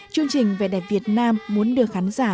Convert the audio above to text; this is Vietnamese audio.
chương trình về đẹp việt nam muốn đưa khán giả